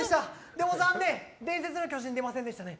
でも残念、伝説の巨人は出ませんでしたね。